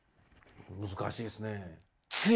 難しいですね。